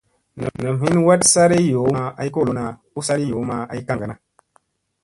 Nam hin ɦat sari yoo ma ay kolona u sari yoo ma ay kaŋgana.